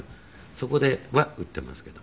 そこでは売っていますけども。